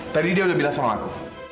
tadi dia udah bilang sama aku